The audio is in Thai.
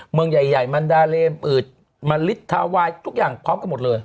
เมืองใหญ่มันดาเลมอืดมะลิดทาวายทุกอย่างพร้อมกันหมดเลย